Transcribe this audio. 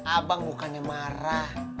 abang bukannya marah